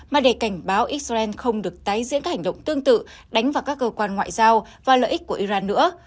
mà để cảnh báo israel không được tái diễn các hành động tương tự đánh vào các cơ quan ngoại giao và lợi ích của iran nữa